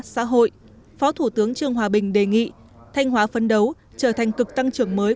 xã hội phó thủ tướng trương hòa bình đề nghị thanh hóa phấn đấu trở thành cực tăng trưởng mới